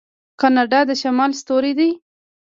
کاناډا د شمال ستوری دی.